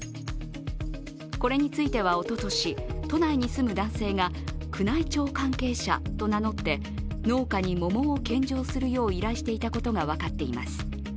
これについてはおととし、都内に住む男性が宮内庁関係者と名乗って農家に桃を献上するよう依頼していたことが分かっています。